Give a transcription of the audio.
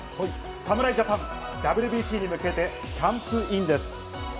侍ジャパン、ＷＢＣに向けてキャンプインです。